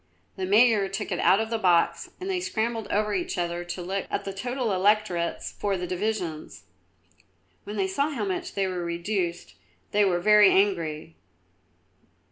The Mayor took it out of the box and they scrambled over each other to look at the total electorates for the divisions. When they saw how much they were reduced they were very angry.